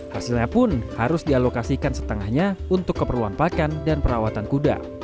hasilnya pun harus dialokasikan setengahnya untuk keperluan pakan dan perawatan kuda